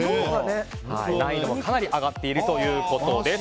難易度が、かなり上がっているということです。